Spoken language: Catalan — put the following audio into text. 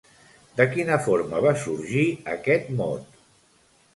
De quina forma va sorgir aquest mot?